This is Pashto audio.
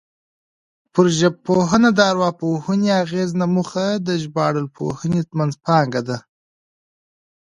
پر ژبپوهنه د ارواپوهنې اغېز نه موخه د ژبارواپوهنې منځپانګه ده